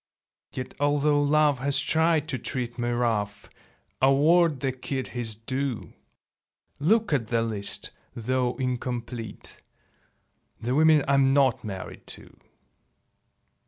Yet although Love has tried to treat Me rough, award the kid his due. Look at the list, though incomplete: The women I'm not married to.